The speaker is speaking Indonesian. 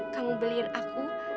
kamu beliin aku